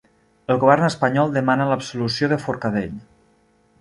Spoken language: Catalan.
El govern espanyol demana l'absolució de Forcadell